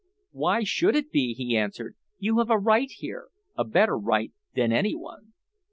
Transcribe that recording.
"Why should it be?" he answered. "You have a right here a better right than any one."